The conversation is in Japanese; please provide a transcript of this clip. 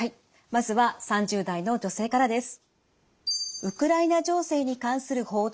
まずは３０代の女性からです。